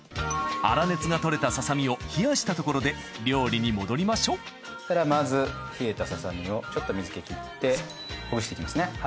粗熱がとれたささみを冷やしたところで料理に戻りましょうまず冷えたささみをちょっと水気切ってほぐしていきますね。